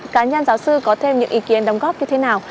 cá nhân giáo sư có thêm những ý kiến đóng góp như thế nào